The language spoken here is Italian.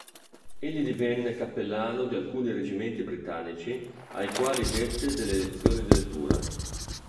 Egli divenne cappellano di alcuni reggimenti britannici ai quali dette delle lezioni di lettura.